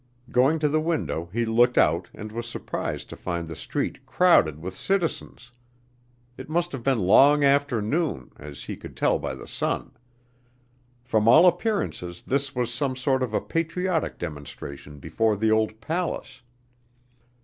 Going to the window he looked out and was surprised to find the street crowded with citizens. It must have been long after noon, as he could tell by the sun. From all appearances this was some sort of a patriotic demonstration before the old palace.